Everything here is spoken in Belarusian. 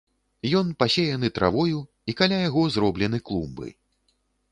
Ён пасеяны травою, і каля яго зроблены клумбы.